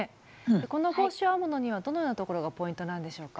この帽子を編むのにはどのようなところがポイントなんでしょうか？